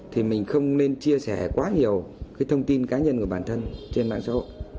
thì mình không nên chia sẻ quá nhiều cái thông tin cá nhân của bản thân trên mạng xã hội